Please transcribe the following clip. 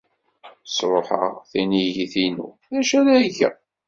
Sṛuḥeɣ tinigit-inu. D acu ara geɣ?